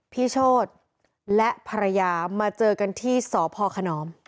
โชธและภรรยามาเจอกันที่สพขนอม